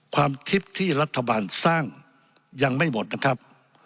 ความคิดที่รัฐบาลสร้างยังไม่หมดนะครับ